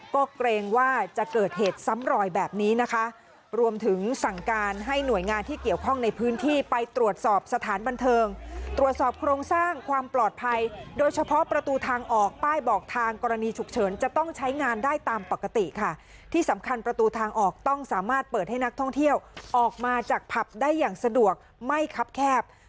ก็เกรงว่าจะเกิดเหตุซ้ำรอยแบบนี้นะคะรวมถึงสั่งการให้หน่วยงานที่เกี่ยวข้องในพื้นที่ไปตรวจสอบสถานบันเทิงตรวจสอบโครงสร้างความปลอดภัยโดยเฉพาะประตูทางออกป้ายบอกทางกรณีฉุกเฉินจะต้องใช้งานได้ตามปกติค่ะที่สำคัญประตูทางออกต้องสามารถเปิดให้นักท่องเที่ยวออกมาจากผับได้อย่างสะดวกไม่คับแคบ